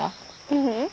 ううん。